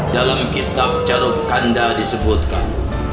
dalam kitab carut kanda disebutkan